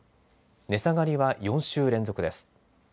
値下がりは４週連続です。